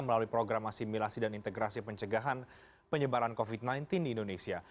melalui program asimilasi dan integrasi pencegahan penyebaran covid sembilan belas di indonesia